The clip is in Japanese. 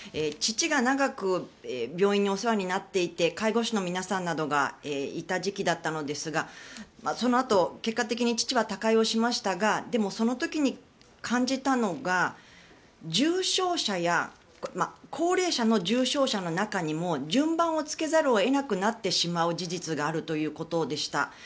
父が長く病院にお世話になっていて介護士の皆さんなどがいた時期だったのですがそのあと結果的に父は他界をしましたがでも、その時に感じたのが高齢者の重症者の中にも順番をつけざるを得なくなってしまう事実があるということでした。